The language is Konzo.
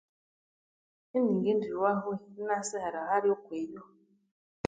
Iningendilhwaho inaseghera hali okwiyo.